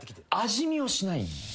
味見をしない。